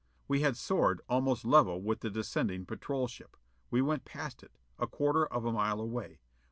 We had soared almost level with the descending patrol ship. We went past it, a quarter of a mile away.